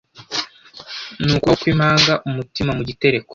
Ni ukubaho nk'impanga Umutima mu gitereko